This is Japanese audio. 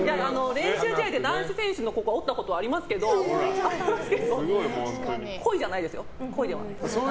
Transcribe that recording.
練習試合で男子選手の小指折ったことありますけど故意じゃないですよ。